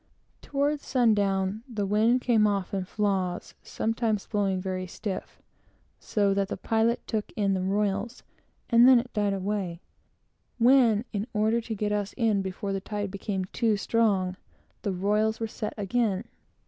Toward sundown the wind came off in flaws, sometimes blowing very stiff, so that the pilot took in the royals, and then it died away; when, in order to get us in before the tide became too strong, the royals were set again.